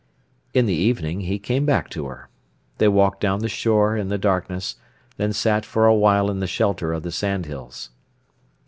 In the evening he came back to her. They walked down the shore in the darkness, then sat for a while in the shelter of the sandhills.